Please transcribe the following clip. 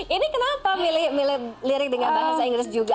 ini kenapa milih milih lirik dengan bahasa inggris juga